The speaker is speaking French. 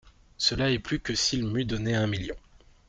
Cela est plus que s'il m'eût donné un million.